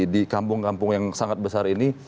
di kampung kampung yang sangat besar ini